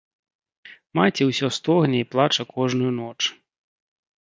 Маці ўсё стогне і плача кожную ноч.